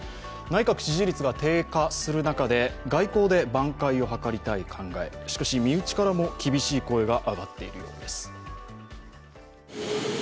内閣支持率が低下する中で、外交で挽回を図りたい考え、しかし、身内からも厳しい声が上がっているようです。